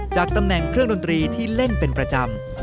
จากตำแหน่งเครื่องดนตรีที่เล่นเป็นประจำ